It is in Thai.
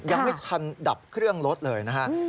ยังไม่ทันดับเครื่องรถเลยนะฮะ